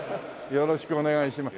よろしくお願いします。